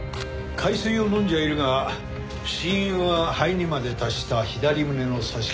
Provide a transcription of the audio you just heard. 海水を飲んじゃいるが死因は肺にまで達した左胸の刺し傷。